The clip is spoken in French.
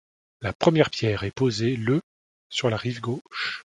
La première pierre est posée le sur la rive gauche.